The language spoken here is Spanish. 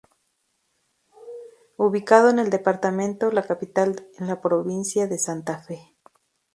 Ubicado en el Departamento La Capital en la provincia de Santa Fe.